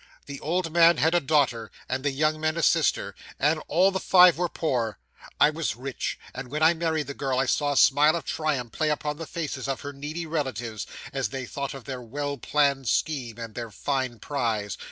The old man had a daughter, and the young men a sister; and all the five were poor. I was rich; and when I married the girl, I saw a smile of triumph play upon the faces of her needy relatives, as they thought of their well planned scheme, and their fine prize.